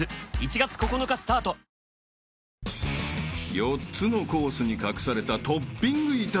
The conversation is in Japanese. ［４つのコースに隠されたトッピングイタズラ］